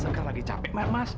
sekar lagi capek mas